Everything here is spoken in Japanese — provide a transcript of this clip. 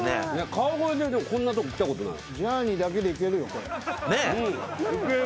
川越でこんなとこ来たことない。